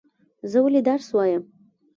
زه ولی درس وایم؟